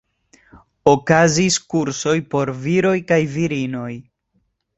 Okazis kursoj por viroj kaj virinoj.